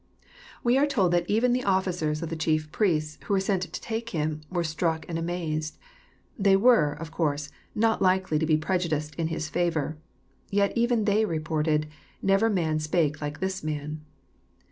We are told that even the officers of the chief priests, who were sent to take Him, were struck and amazed. They were, of c6urse, not likely to be prejudiced in His favour. Yet even they reported, — "Never man spake like this Man."